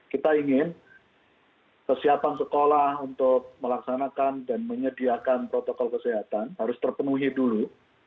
kita ingin kesiapan sekolah untuk melaksanakan dan menyediakan protokol kesehatan harus terpenuhi dulu